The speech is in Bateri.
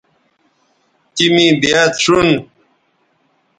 تی می بیاد شون